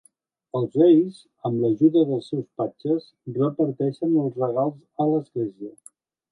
Els Reis, amb l'ajuda dels seus patges, reparteixen els regals a l'Església.